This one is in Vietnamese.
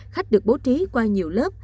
khách được bố trí qua nhiều lớp